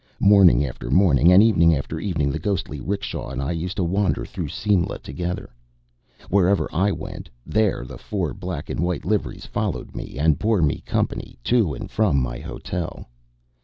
Morning after morning and evening after evening the ghostly 'rickshaw and I used to wander through Simla together. Wherever I went there the four black and white liveries followed me and bore me company to and from my hotel.